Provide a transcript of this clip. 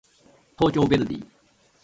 東京ヴェルディ